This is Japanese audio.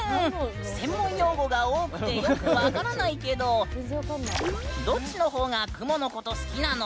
専門用語が多くてよく分からないけどどっちの方が雲のこと好きなの？